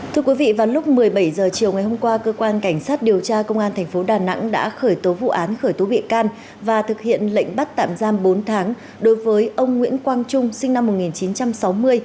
thưa quý vị vào lúc một mươi bảy h chiều ngày hôm qua cơ quan cảnh sát điều tra công an thành phố đà nẵng đã khởi tố vụ án khởi tố bị can và thực hiện lệnh bắt tạm giam bốn tháng đối với ông nguyễn quang trung sinh năm một nghìn chín trăm sáu mươi